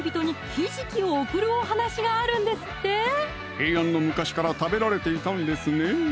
平安の昔から食べられていたんですねぇ